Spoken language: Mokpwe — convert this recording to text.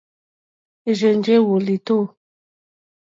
Érzènjé wòlìtó.